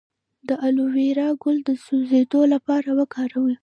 د الوویرا ګل د سوځیدو لپاره وکاروئ